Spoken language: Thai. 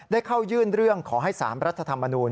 ได้เข้ายื่นเรื่องขอให้๓รัฐธรรมนูล